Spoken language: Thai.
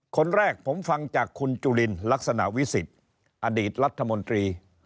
คนแรกผมฟังจากคุณจุลินลักษณะวิสิทธิ์อดีตรัฐมนตรี